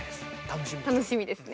楽しみですね。